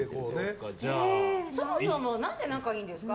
そもそも何で仲いいんですか？